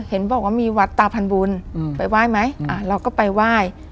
เห็นบอกว่ามีวัดตาพันบุญไปไหว้ไหมเราก็ไปไหว้